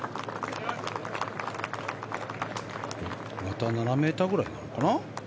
また７ｍぐらいなのかな？